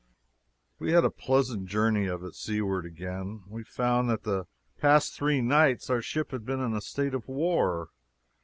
We had a pleasant journey of it seaward again. We found that for the three past nights our ship had been in a state of war.